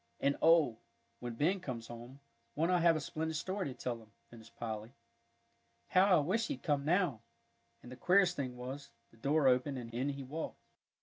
"And oh, when Ben comes home, won't I have a splendid story to tell him!" finished Polly. "How I wish he'd come now," and the queerest thing was, the door opened, and in he walked.